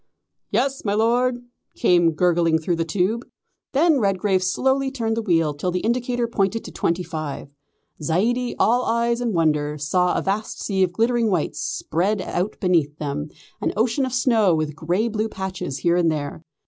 "Yes, my Lord," came gurgling through the tube. Then Redgrave slowly turned the wheel till the indicator pointed to twenty five. Zaidie, all eyes and wonder, saw a vast sea of glittering white spread out beneath them, an ocean of snow with grey blue patches here and there.